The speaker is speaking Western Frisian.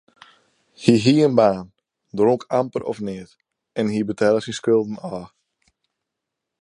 Hy hie in baan, dronk amper of neat en hy betelle syn skulden ôf.